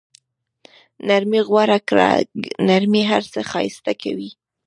نرمي غوره کړه، نرمي هر څه ښایسته کوي.